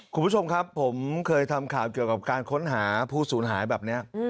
คุณผู้ชมครับผมเคยทำข่าวเกี่ยวกับการค้นหาผู้สูญหายแบบนี้